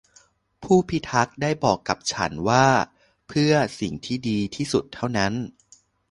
ผู้พิทักษ์ได้บอกกับฉันว่าเพิ่อสิ่งที่ดีที่สุดเท่านั้น